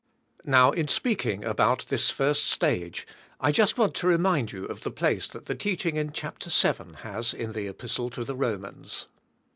Now, in speaking about this first stage, I just want to remind you of the place that the teaching in chapter seven has in the Epistle to the Romans.